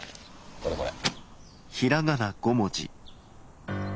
これこれ。